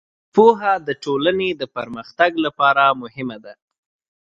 پوهه د ټولنې د پرمختګ لپاره مهمه ده.